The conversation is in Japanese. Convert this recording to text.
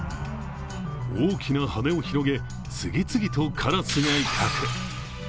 大きな羽を広げ、次々とカラスが威嚇。